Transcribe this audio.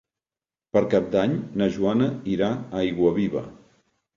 Per Cap d'Any na Joana irà a Aiguaviva.